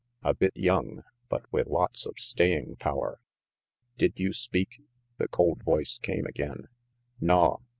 "A bit young, but with lots of staying power." "Did you speak?" the cold voice came again. "Naw.